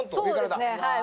そうですねはい。